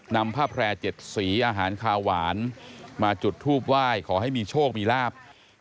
นำผ้าแพร่๗สีอาหารคาหวานมาจุดทูบไหว้ขอให้มีโชคมีลาบ